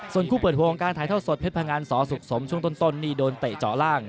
ส่วนคู่เปิดวงการถ่ายทอดสดเพชรพงันสอสุขสมช่วงต้นนี่โดนเตะเจาะล่าง